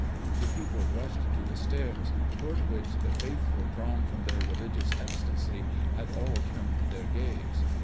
The people rushed to the stairs, toward which the faithful, drawn from their religious ecstasy, had all turned their gaze.